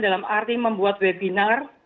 dalam arti membuat webinar